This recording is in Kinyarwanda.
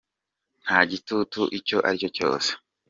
Nta gitutu icyo ari cyo cyose.